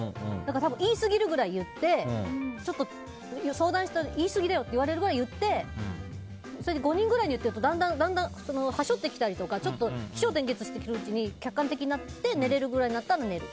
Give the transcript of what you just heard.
言いすぎるくらい言ってちょっと相談したら言い過ぎだよって言われるぐらい言ってそれで５人ぐらいに言ってるとだんだん端折ってきたりとか起承転結していくうちに客観的になって寝れるくらいになったら寝れる。